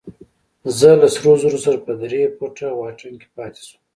زه له سرو زرو سره په درې فوټه واټن کې پاتې شوم.